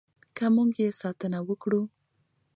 که موږ یې ساتنه وکړو.